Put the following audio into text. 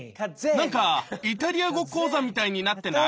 なんかイタリア語講座みたいになってない？